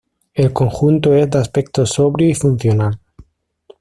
El conjunto es de aspecto sobrio y funcional.